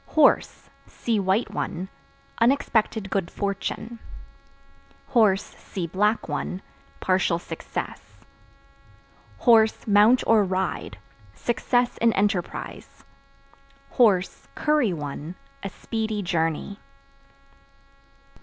Horse (See white one) unexpected good fortune; (see black one) partial success; (mount or ride) success in enterprise; (curry one) a speedy journey.